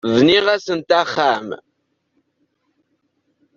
Bniɣ-asent axxam.